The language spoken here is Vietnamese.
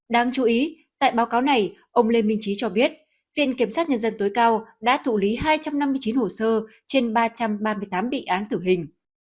đáng chú ý tại báo cáo này ông lê minh trí cho biết viện kiểm sát nhân dân tối cao đã thụ lý hai trăm năm mươi chín hồ sơ trên ba trăm ba mươi tám bị án tử hình